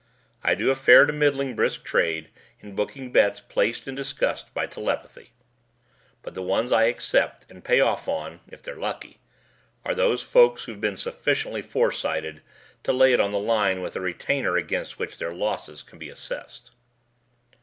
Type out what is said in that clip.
I do a fair to middling brisk trade in booking bets placed and discussed by telepathy, but the ones I accept and pay off on if they're lucky are those folks who've been sufficiently foresighted to lay it on the line with a retainer against which their losses can be assessed.